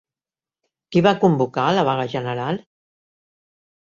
Qui va convocar la vaga general?